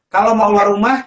kalau mau keluar rumah